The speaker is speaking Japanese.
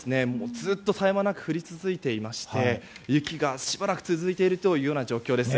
ずっと絶え間なく降り続いていまして雪がしばらく続いているような状況です。